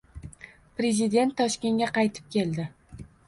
Prezident Toshkentga qaytib keldi